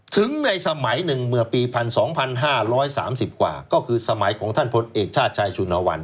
ถึงในสมัยหนึ่งเมื่อปี๑๒๕๓๐กว่าก็คือสมัยของท่านพลเอกชาติชายสุนวรรณ